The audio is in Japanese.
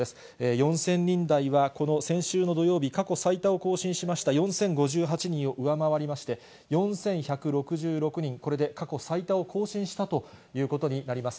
４０００人台は、この先週の土曜日、過去最多を更新しました４０５８人を上回りまして、４１６６人、これで過去最多を更新したということになります。